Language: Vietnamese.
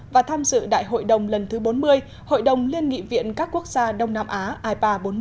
và tham dự đại hội đồng lần thứ bốn mươi hội đồng liên nghị viện các quốc gia đông nam á i ba trăm bốn mươi